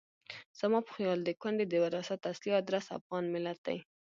زما په خیال د کونډې د وراثت اصلي ادرس افغان ملت دی.